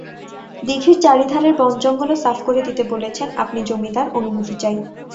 দিঘির চারি ধারের বনজঙ্গলও সাফ করে দিতে বলেছেন– আপনি জমিদার, অনুমতি চাই।